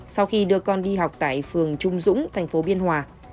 sau khi đưa con đi học tại phường trung dũng thành phố biên hòa